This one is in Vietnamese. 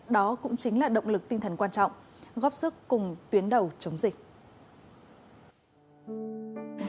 đó cũng chính là động lực tinh thần quan trọng góp sức cùng tuyến đầu chống dịch